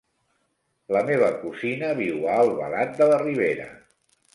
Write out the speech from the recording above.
La meva cosina viu a Albalat de la Ribera.